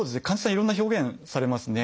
いろんな表現されますね。